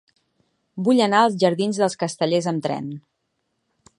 Vull anar als jardins dels Castellers amb tren.